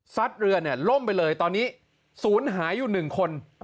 เรือล่มไปเลยตอนนี้ศูนย์หายอยู่๑คน